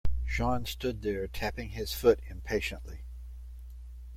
Sean stood there tapping his foot impatiently.